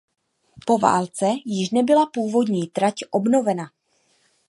Po válce již nebyla původní trať obnovena.